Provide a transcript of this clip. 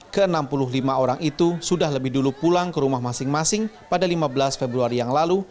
ke enam puluh lima orang itu sudah lebih dulu pulang ke rumah masing masing pada lima belas februari yang lalu